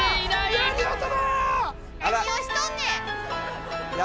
何をしとんねん！